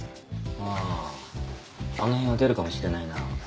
あああの辺は出るかもしれないな。